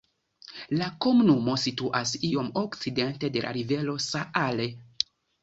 La komunumo situas iom okcidente de la rivero Saale.